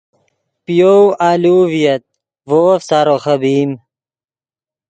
پے یَوْ آلوؤ ڤییت ڤے وف سارو خبئیم